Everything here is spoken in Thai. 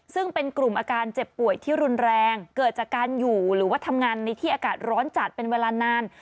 ซึ่งเป็นกลุ่มอาการเจ็บป่วยที่รุนแรงเกิดจากการอยู่หรือว่าทำงานในที่อากาศร้อนจัดเป็นเวลานาน